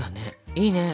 いいね！